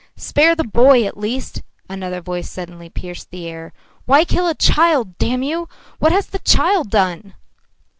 "Spare the boy at least!" another voice suddenly pierced the air. "Why kill a child, damn you! What has the child done?"